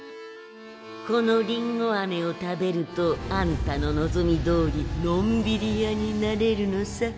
このりんごあめを食べるとあんたの望みどおりのんびり屋になれるのさ。